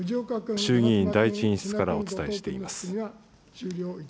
衆議院第１委員室からお伝えしています。